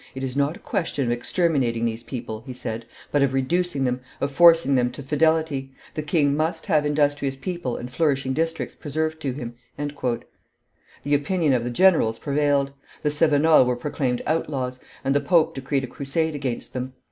"It is not a question of exterminating these people," he said, "but of reducing them, of forcing them to fidelity; the king must have industrious people and flourishing districts preserved to him." The opinion of the generals prevailed; the Cevenols were proclaimed outlaws, and the pope decreed a crusade against them.